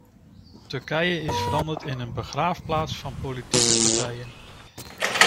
Turkije is veranderd in een begraafplaats van politieke partijen.